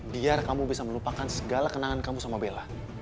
biar kamu bisa melupakan segala kenangan kamu sama bella